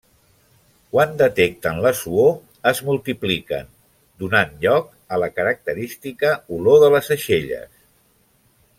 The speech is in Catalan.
Quan detecten la suor, es multipliquen, donant lloc a la característica olor de les aixelles.